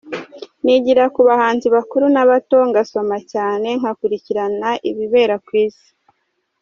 Nigira ku bahanzi bakuru n’abato, ngasoma cyane, ngakurikirana ibibera ku Isi.